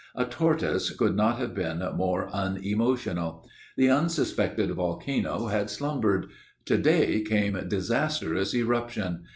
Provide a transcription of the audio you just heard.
A tortoise could not have been more unemotional. The unsuspected volcano had slumbered. To day came disastrous eruption.